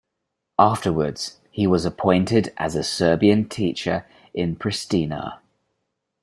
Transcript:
Afterwards he was appointed as a Serbian teacher in Pristina.